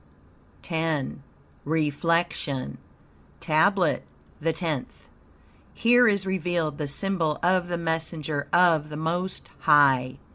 X REFLECTION TABLET THE TENTH Here is revealed the symbol of the messenger of the Most High.